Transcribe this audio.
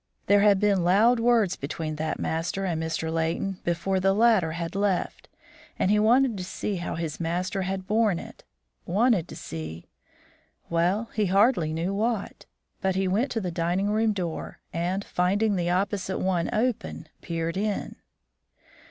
There had been loud words between that master and Mr. Leighton before the latter had left, and he wanted to see how his master had borne it wanted to see well, he hardly knew what; but he went to the dining room door and, finding the opposite one open, peered in.